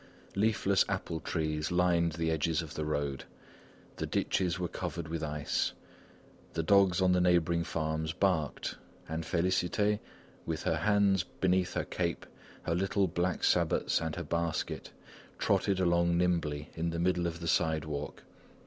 Leafless apple trees lined the edges of the road. The ditches were covered with ice. The dogs on the neighbouring farms barked; and Félicité, with her hands beneath her cape, her little black sabots and her basket, trotted along nimbly in the middle of the sidewalk.